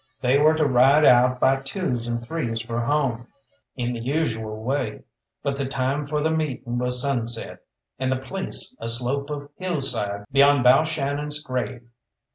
They were to ride out by twos and threes for home in the usual way, but the time for the meeting was sunset, and the place a slope of hillside beyond Balshannon's grave.